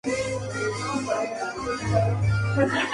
Su capital es Hertford.